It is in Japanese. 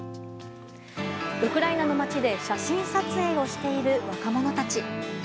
ウクライナの街で写真撮影をしている若者たち。